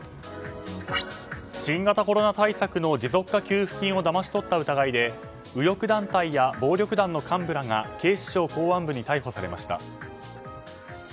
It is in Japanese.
新型コロナ対策の持続化給付金をだまし取った疑いで右翼団体や暴力団の幹部らが警視庁公安部に逮捕されました。